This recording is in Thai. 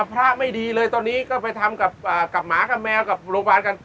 พระไม่ดีเลยตอนนี้ก็ไปทำกับหมากับแมวกับโรงพยาบาลกัน